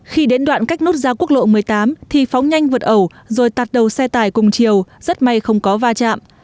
khi đến đoạn cách nốt ra quốc lộ một mươi tám thì phóng nhanh vượt ẩu rồi tạt đầu xe tải cùng chiều rất may không có va chạm